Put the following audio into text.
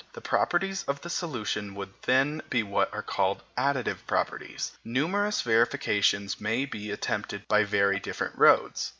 The properties of the solutions would then be what are called additive properties. Numerous verifications may be attempted by very different roads.